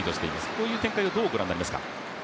こういう展開をどうご覧になりますか？